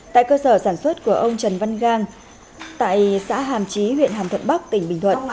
tại cơ sở sản xuất của ông trần văn gang tại xã hàm trí huyện hàm thuận bắc tỉnh bình thuận